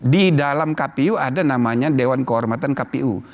di dalam kpu ada namanya dewan kehormatan kpu